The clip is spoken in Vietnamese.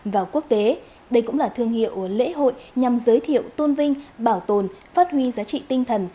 và quốc tế đây cũng là thương hiệu lễ hội nhằm giới thiệu tôn vinh bảo tồn phát huy giá trị tinh thần